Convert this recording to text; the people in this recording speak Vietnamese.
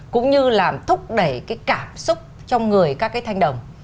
cũng như làm thúc đẩy cái cảm xúc trong người các cái thanh đồng